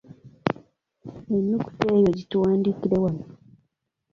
Ennukuta eyo gituwandiikire wano.